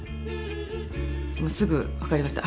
すぐ分かりました。